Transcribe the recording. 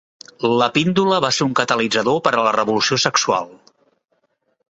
La píndola va ser un catalitzador per a la revolució sexual.